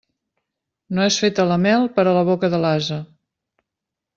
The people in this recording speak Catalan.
No és feta la mel per a la boca de l'ase.